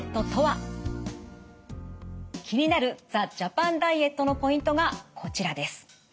気になるザ・ジャパン・ダイエットのポイントがこちらです。